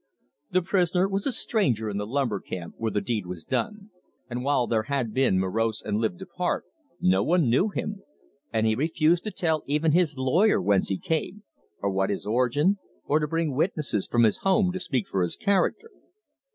The prisoner was a stranger in the lumber camp where the deed was done, and while there had been morose and lived apart; no one knew him; and he refused to tell even his lawyer whence he came, or what his origin, or to bring witnesses from his home to speak for his character.